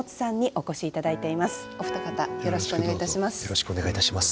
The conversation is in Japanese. お二方よろしくお願いいたします。